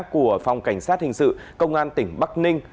của phòng cảnh sát hình sự công an tỉnh bắc ninh